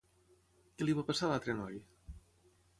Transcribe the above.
Què li va passar a l'altre noi?